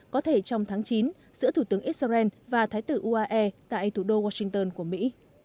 có thể trong tháng chín giữa thủ tướng israel và thái tử uae tại thủ đô washington của mỹ